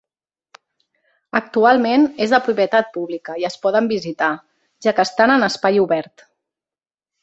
Actualment és de propietat pública i es poden visitar, ja que estan en espai obert.